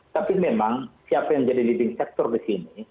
tapi memang siapa yang jadi leading sector di sini